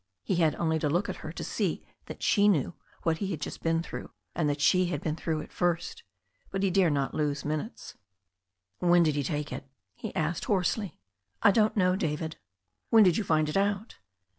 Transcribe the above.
He had only to look at her to see that she knew what he had just been through, and that she had been through it first. But he dare lose no minutes then. "When did he take it?" he asked hoarsely. "I don't know, David." "When did you find it out?"